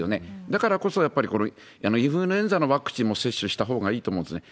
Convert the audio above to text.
だからこそ、やっぱりこのインフルエンザのワクチンも接種したほうがいいと思うんですね。